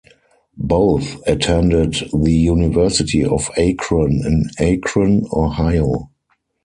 Both attended the University of Akron, in Akron, Ohio.